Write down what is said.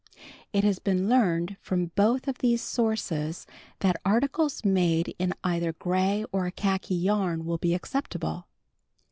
It has been learned from both of these sources that articles made in either gray or khaki yarn will be acceptable.